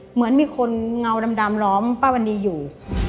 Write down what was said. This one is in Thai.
เหมือนมีคนเงาดำล้อมป้าวันดีอยู่